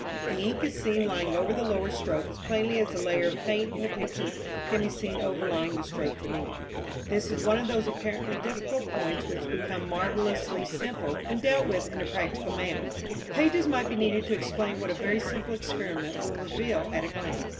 The ink is seen lying over the lower stroke as plainly as a layer of paint in a picture can be seen overlying the stroke beneath. This is one of those apparently difficult points which become marvellously simple when dealt with in a practical manner. Pages might be needed to explain what a very simple experiment will reveal at a glance.